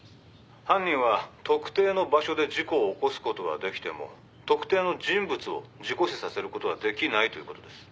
犯人は特定の場所で事故を起こすことはできても特定の人物を事故死させることはできないということです。